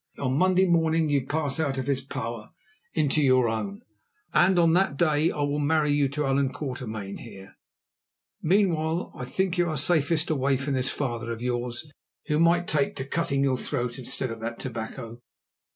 On Monday morning you pass out of his power into your own, and on that day I will marry you to Allan Quatermain here. Meanwhile, I think you are safest away from this father of yours, who might take to cutting your throat instead of that tobacco.